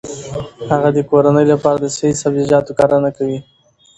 هغه د کورنۍ لپاره د صحي سبزیجاتو کرنه کوي.